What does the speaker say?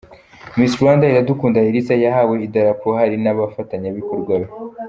Miss Rwanda Iradukunda Elsa yahawe idarapo hari n'abafatanyabikorwa be.